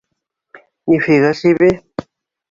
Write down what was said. — Ни фига себе.